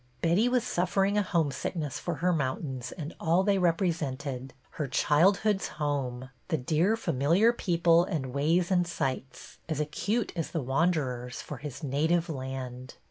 Betty was suffering a homesickness for her mountains and all they represented, her child hood's home, the dear familiar people and ways and sights, as acute as the wanderer's for his na tive land.